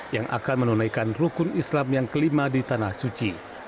yang akan menunaikan rukun islam yang kelima di tanah suci